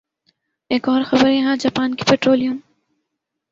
ایک اور خبر یہاں جاپان کی پٹرولیم